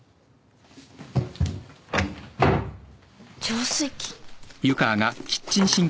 浄水器？